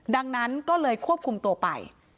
ดังนั้นก็เลยควบคุมตัวไป